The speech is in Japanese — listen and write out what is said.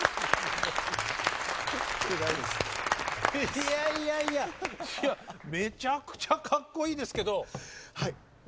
いやいやいやめちゃくちゃかっこいいですけど私